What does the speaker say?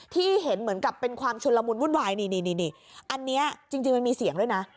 ที่เห็นเหมือนกับเป็นความชุนละมุนวุ่นวายนี่อันนี้จริงมันมีเสียงด้วยนะ